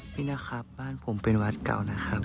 พี่นะครับบ้านผมเป็นวัดเก่านะครับ